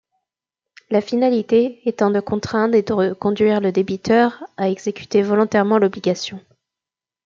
La finalité étant de contraindre et de conduire le débiteur à exécuter volontairement l’obligation.